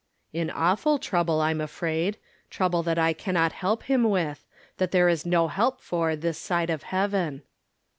" In awful trouble, I'm afraid ; trouble that I can not help him with — that there is no help for this side of heaven."